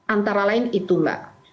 antara lain itu mbak